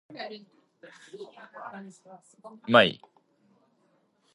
It is a website that enables staff to digitally communicate with parents.